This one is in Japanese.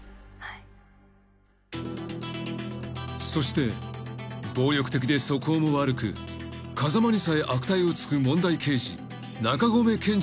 ［そして暴力的で素行も悪く風間にさえ悪態をつく問題刑事］